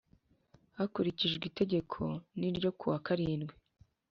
Hakurikijwe itegeko n ryo kuwa karindwi